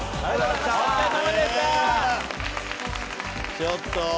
ちょっと！